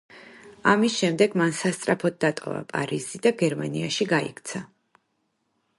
ამის შემდეგ მან სასწრაფოდ დატოვა პარიზი და გერმანიაში გაიქცა.